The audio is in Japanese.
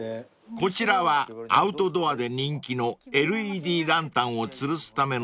［こちらはアウトドアで人気のＬＥＤランタンをつるすためのスタンド］